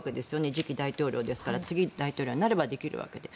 次期大統領ですから次に大統領になればできるわけで。